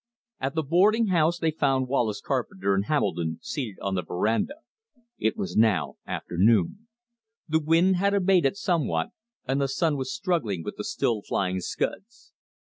At the boarding house they found Wallace Carpenter and Hamilton seated on the veranda. It was now afternoon. The wind had abated somewhat, and the sun was struggling with the still flying scuds.